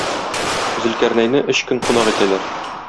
Зөлкарнәйне өч көн кунак итәләр.